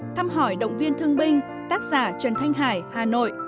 thăm hỏi động viên thương binh tác giả trần thanh hải hà nội